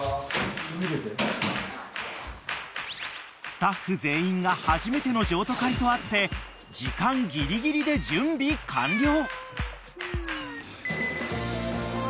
［スタッフ全員が初めての譲渡会とあって時間ギリギリで準備完了］